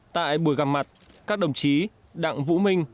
tại buổi gặp mặt các đồng chí đặng vũ minh